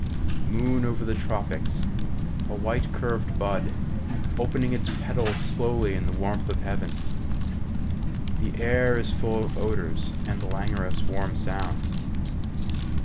"Moon over the tropics, A white curved bud Opening its petals slowly in the warmth of heaven.... The air is full of odours And languorous warm sounds....